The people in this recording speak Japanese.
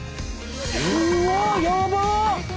うわっやばっ！